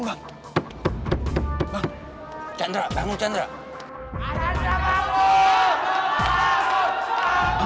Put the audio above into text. bang harus kuat bang